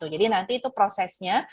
jadi nanti itu prosesnya